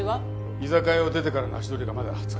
居酒屋を出てからの足取りがまだつかめてません。